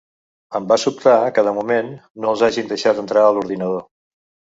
Em va sobtar que de moment no els hagin deixat entrar a l’ordinador.